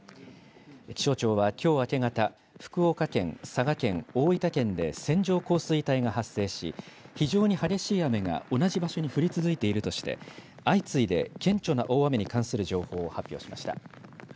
気象庁はきょう明け方、福岡県、佐賀県、大分県で線状降水帯が発生し、非常に激しい雨が同じ場所に降り続いているとして、相次いで顕著な大雨に関する情報を発表しました。